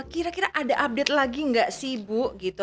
kira kira ada update lagi nggak sih bu gitu